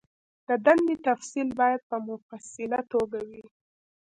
د دندې تفصیل باید په مفصله توګه وي.